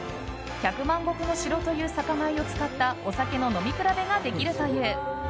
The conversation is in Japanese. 百万石乃白という酒米を使ったお酒の飲み比べができるという。